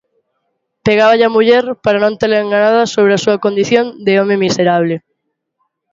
Pegáballe á muller para non tela enganada sobre a súa condición de home miserable.